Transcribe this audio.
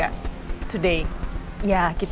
atau hanya pengg radar